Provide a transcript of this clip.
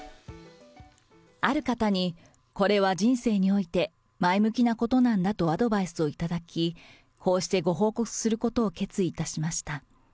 ある方に、これは人生において前向きなことなんだとアドバイスをいただき、こうしてご報告することを決意いたしました。